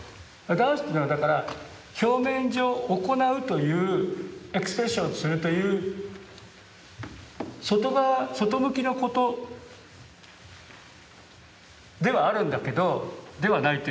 ダンスというのはだから表面上行うというエクスプレッションするという外側外向きのことではあるんだけど「ではない」と言わないよ。